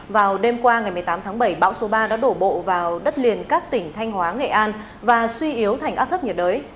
vào đêm qua ngày một mươi tám tháng bảy bão số ba đã đổ bộ vào đất liền các tỉnh thanh hóa nghệ an và suy yếu thành áp thấp nhiệt đới